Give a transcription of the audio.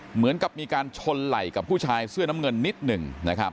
เหมือนกับมีการชนไหล่กับผู้ชายเสื้อน้ำเงินนิดหนึ่งนะครับ